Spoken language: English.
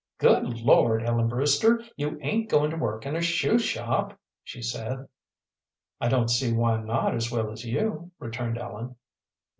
"Good Lord, Ellen Brewster, you ain't going to work in a shoe shop?" she said. "I don't see why not as well as you," returned Ellen.